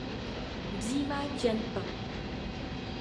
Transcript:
Bia maa chani pam.